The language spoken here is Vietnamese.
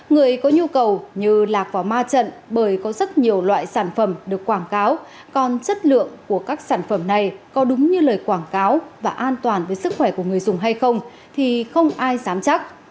người có nhu cầu như lạc vào ma trận bởi có rất nhiều loại sản phẩm được quảng cáo còn chất lượng của các sản phẩm này có đúng như lời quảng cáo và an toàn với sức khỏe của người dùng hay không thì không ai dám chắc